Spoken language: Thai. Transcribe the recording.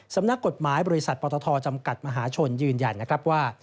สำนักกฎหมายบริษัทปตทจำกัดมหาชนยืนยันนะครับว่า